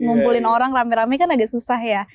ngumpulin orang rame rame kan agak susah ya